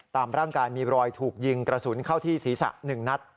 ตามร่างกายมีรอยถูกยิงกระสุนเข้าที่ศีรษะ๑นัด